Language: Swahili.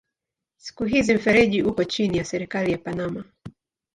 Siku hizi mfereji uko chini ya serikali ya Panama.